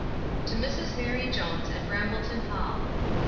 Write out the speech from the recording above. TO Mrs MARY JONES, at Brambleton hall.